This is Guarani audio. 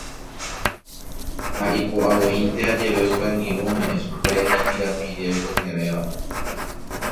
Ha ipo'avoínte ajeve upe angirũ ome'ẽ chupe pirapire oikotevẽva